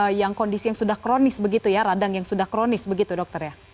ada yang kondisi yang sudah kronis begitu ya radang yang sudah kronis begitu dokter ya